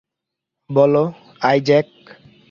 বলো, আইজ্যাক?